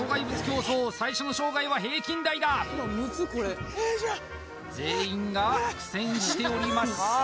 競走最初の障害は平均台だ全員が苦戦しております